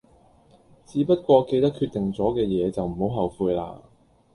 只不過記得決定左嘅野就唔好後悔啦